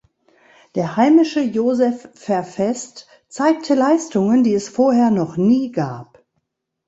Der heimische Joseph Vervest zeigte Leistungen die es vorher noch nie gab.